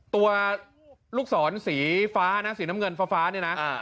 ตัวลูกศรสีฟ้านะสีน้ำเงินฟ้าเนี่ยนะ